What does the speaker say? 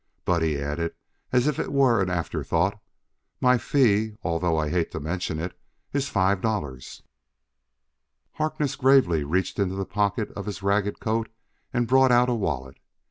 But," he added as if it were an afterthought, "my fee, although I hate to mention it, is five dollars." Harkness gravely reached into the pocket of his ragged coat and brought out a wallet.